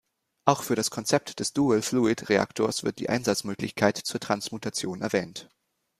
Auch für das Konzept des Dual Fluid Reaktors wird die Einsatzmöglichkeit zur Transmutation erwähnt.